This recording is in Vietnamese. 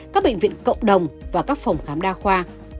các bệnh viện cộng đồng và các phòng khám đa khoa